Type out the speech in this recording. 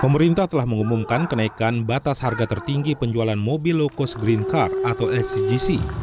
pemerintah telah mengumumkan kenaikan batas harga tertinggi penjualan mobil low cost green car atau sgc